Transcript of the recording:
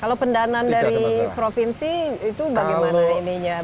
kalau pendanaan dari provinsi itu bagaimana ininya